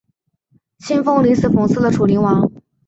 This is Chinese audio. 庆封临死讽刺了楚灵王。